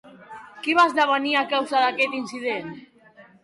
Què va esdevenir, a causa d'aquest incident?